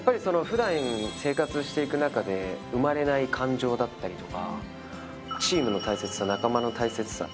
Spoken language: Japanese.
普段生活していく中で生まれない感情だったりとかチームの大切さ仲間の大切さ。